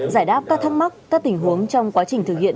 giải đáp các thắc mắc các tình huống trong quá trình thực hiện